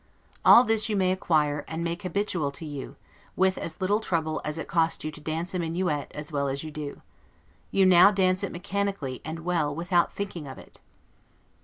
All this you may acquire, and make habitual to you, with as little trouble as it cost you to dance a minuet as well as you do. You now dance it mechanically and well without thinking of it.